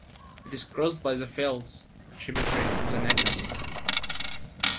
It is crossed by the Fils, a tributary of the Neckar.